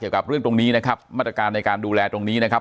เกี่ยวกับเรื่องตรงนี้นะครับมาตรการในการดูแลตรงนี้นะครับ